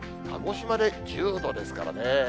鹿児島で１０度ですからね。